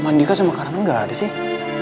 mandi kan sama karna gak ada sih